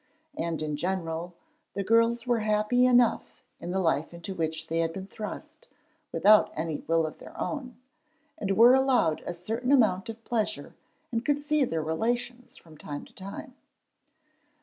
And in general the girls were happy enough in the life into which they had been thrust without any will of their own, and were allowed a certain amount of pleasure and could see their relations from time to time.